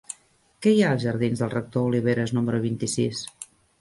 Què hi ha a la jardins del Rector Oliveras número vint-i-sis?